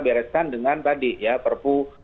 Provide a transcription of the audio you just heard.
bereskan dengan tadi ya perpu